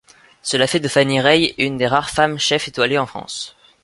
Cela fait de Fanny Rey une des rares femmes chef étoilées en France.